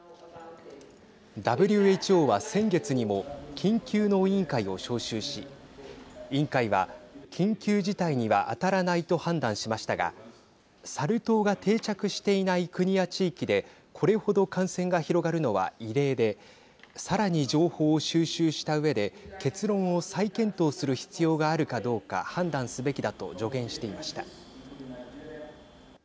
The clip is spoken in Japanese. ＷＨＯは、先月にも緊急の委員会を招集し委員会は緊急事態には当たらないと判断しましたがサル痘が定着していない国や地域でこれほど感染が広がるのは異例でさらに情報を収集したうえで結論を再検討する必要があるかどうか判断すべきだと助言していました。